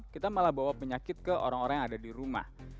kita malah bawa penyakit ke orang orang yang ada di rumah